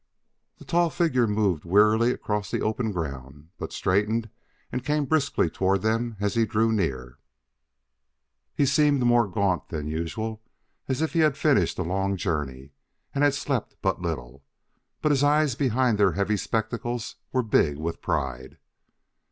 The tall figure moved wearily across the open ground, but straightened and came briskly toward them as he drew near. He seemed more gaunt than usual, as if he had finished a long journey and had slept but little. But his eyes behind their heavy spectacles were big with pride.